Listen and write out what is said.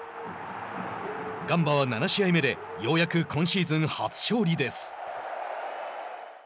ガンバは７試合目でようやく今シーズン初勝利です。